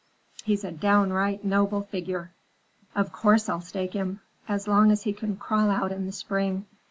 He's a downright noble figure. Of course I'll stake him! As long as he can crawl out in the spring.